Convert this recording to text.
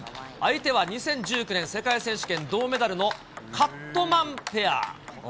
相手は２０１９年世界選手権銅メダルのカットマンペア。